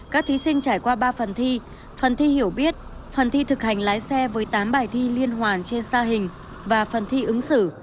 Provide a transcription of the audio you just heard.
các thí sinh trải qua ba phần thi phần thi hiểu biết phần thi thực hành lái xe với tám bài thi liên hoàn trên xa hình và phần thi ứng xử